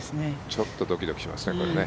ちょっとドキドキしますね。